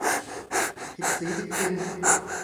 ผิดสีผิดกลิ่น